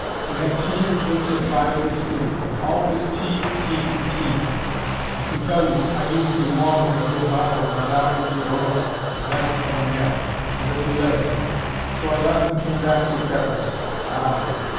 We had tea and cakes at five in the studio always tea, tea, tea! I can tell you I used to long for a good bottle of Madame Giraud's vin ordinaire, and a poulet. So I left and came back to Paris. Ah!